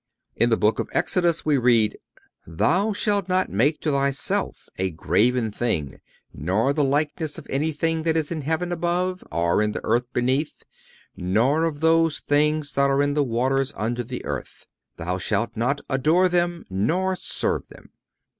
In the Book of Exodus we read: "Thou shalt not make to thyself a graven thing, nor the likeness of anything that is in heaven above, or in the earth beneath, nor of those things that are in the waters under the earth. Thou shalt not adore them nor serve them."